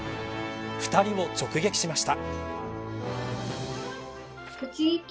２人を直撃しました。